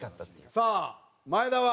さあ前田は？